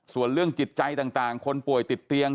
ส่วนเรื่องจิตใจต่างคนป่วยติดเตียง